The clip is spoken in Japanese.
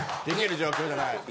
できる状況じゃない。